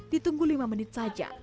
ditunggu lima menit saja